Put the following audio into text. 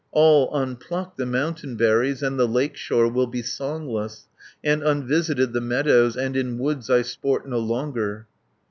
All unplucked the mountain berries, And the lakeshore will be songless, 460 And unvisited the meadows, And in woods I sport no longer."